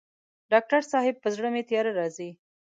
ډاکټر صاحب په زړه مي تیاره راځي